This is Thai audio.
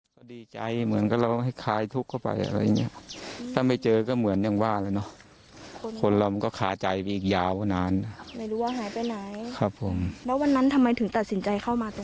แล้ววันนั้นทำไมถึงตัดสินใจเข้ามาตรงนี้